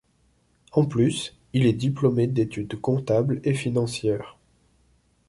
En plus, il est Diplômé d'Études Comptables et Financières.